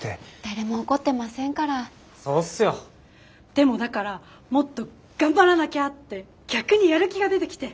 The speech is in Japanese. でもだからもっと頑張らなきゃって逆にやる気が出てきて。